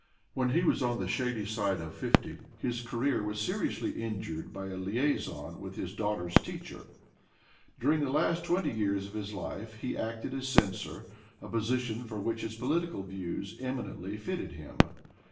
When he was on the shady side of fifty his career was seriously injured by a liaison with his daughter's teacher. Dur ing the last twenty years of his life he acted as censor, a posi tion for which his political views eminently fitted him.